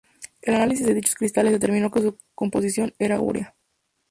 El análisis de dichos cristales determinó que su composición era urea.